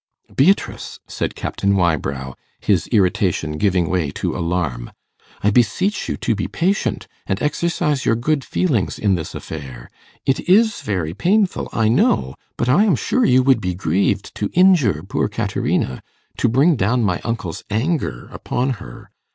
'Beatrice,' said Captain Wybrow, his irritation giving way to alarm, 'I beseech you to be patient, and exercise your good feelings in this affair. It is very painful, I know, but I am sure you would be grieved to injure poor Caterina to bring down my uncle's anger upon her.